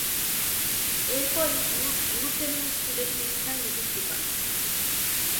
এরপরই 'গুরু ট্রেনিং' স্কুলে তিনি স্থায়ী নিযুক্তি পান।